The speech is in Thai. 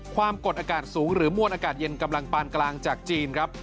ความกดอากาศสูงหรือมวลอากาศเย็นกำลังปานกลางจากจีนครับ